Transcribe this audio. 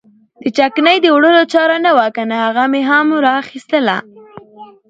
د چکنۍ د وړلو چاره نه وه کنه هغه مې هم را اخیستله.